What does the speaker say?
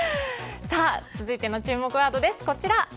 続いての注目ワードです。